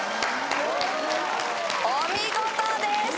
お見事です